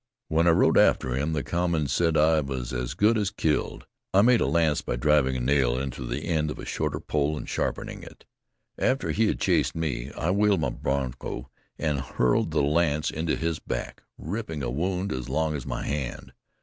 When I rode after him the cowmen said I was as good as killed. I made a lance by driving a nail into the end of a short pole and sharpening it. After he had chased me, I wheeled my broncho, and hurled the lance into his back, ripping a wound as long as my hand.